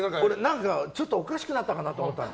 ちょっとおかしくなったのかなと思ったの。